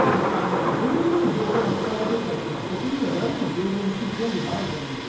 どういうふうに情報が使われているか国民は誰でも平等に知る権利があると思うんですが。